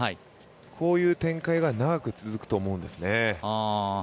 こういう展開が長く続くと思うんですね。